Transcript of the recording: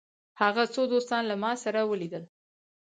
هغه څو دوستان له ما سره ولیدل.